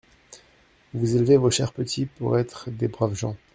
«Vous élevez vos chers petits pour être des braves gens.